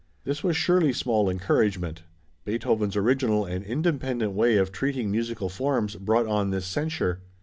This was surely small encouragement. Beethoven's original and independent way of treating musical forms brought on this censure.